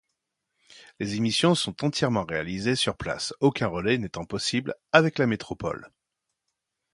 Les émissions sont entièrement réalisées sur place, aucun relais n'étant possible avec la Métropole.